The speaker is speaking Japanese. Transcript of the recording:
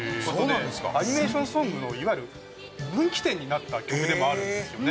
上川：アニメーションソングのいわゆる、分岐点になった曲でもあるんですよね。